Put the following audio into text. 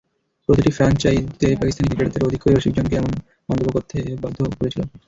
প্রতিটি ফ্র্যাঞ্চাইজিতে পাকিস্তানি ক্রিকেটারদের আধিক্যই রসিকজনকে এমন মন্তব্য করতে বাধ্য করেছিল।